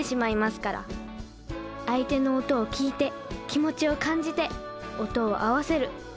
相手の音を聴いて気持ちを感じて音を合わせる。